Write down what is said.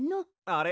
あれ？